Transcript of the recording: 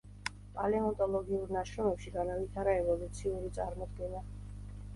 პალეონტოლოგიურ ნაშრომებში განავითარა ევოლუციური წარმოდგენა.